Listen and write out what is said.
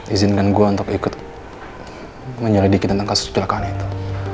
izinkan gue untuk ikut menyelidiki tentang kasus kecelakaan itu